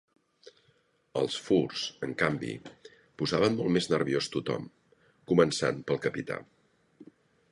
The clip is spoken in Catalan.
Els furts, en canvi, posaven molt més nerviós tothom, començant pel capità.